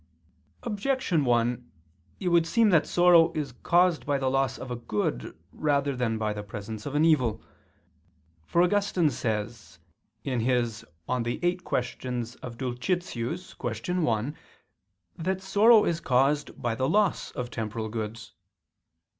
Objection 1: It would seem that sorrow is caused by the loss of a good rather than by the presence of an evil. For Augustine says (De viii QQ. Dulcit. qu. 1) that sorrow is caused by the loss of temporal goods.